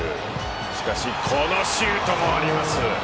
しかしこのシュートもあります。